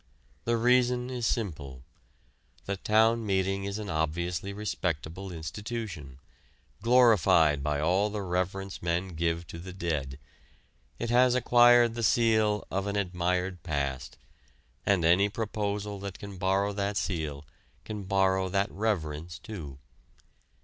The reason is simple. The town meeting is an obviously respectable institution, glorified by all the reverence men give to the dead. It has acquired the seal of an admired past, and any proposal that can borrow that seal can borrow that reverence too.